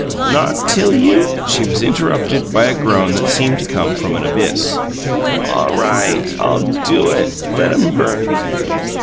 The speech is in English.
"Not till you " She was interrupted by a groan that seemed to come from an abyss. "All right, I'll do it! Let 'em burn, then!"